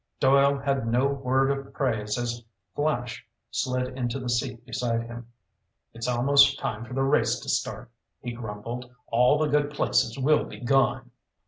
Doyle had no word of praise as Flash slid into the seat beside him. "It's almost time for the race to start," he grumbled. "All the good places will be gone."